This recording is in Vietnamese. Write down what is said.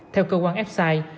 theo cơ quan f side